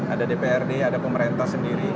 ada dprd ada pemerintah sendiri